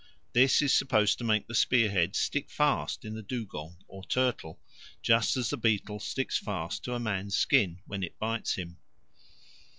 This is supposed to make the spear head stick fast in the dugong or turtle, just as the beetle sticks fast to a man's skin when it bites him.